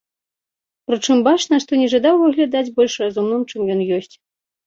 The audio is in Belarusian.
Прычым, бачна, што не жадаў выглядаць больш разумным, чым ён ёсць.